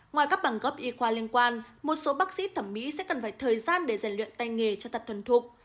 ngoài các bằng góp y khoa liên quan một số bác sĩ thẩm mỹ sẽ cần phải thời gian để rèn luyện tay nghề cho thật thuần thục